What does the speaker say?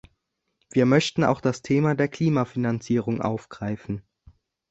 Wir möchten auch das Thema der Klimafinanzierung aufgreifen.